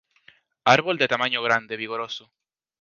Árbol de tamaño grande vigoroso.